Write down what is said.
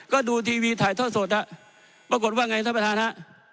ก็ดูทีวีถ่ายทอดสดปรากฏว่าไงท่านประธานฮะ